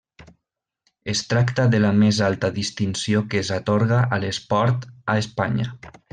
Es tracta de la més alta distinció que s'atorga a l'esport a Espanya.